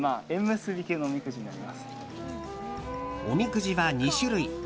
おみくじは２種類。